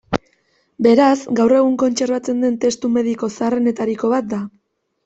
Beraz, gaur egun kontserbatzen den testu mediko zaharrenetariko bat da.